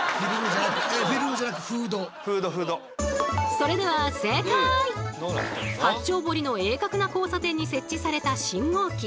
それでは八丁堀の鋭角な交差点に設置された信号機。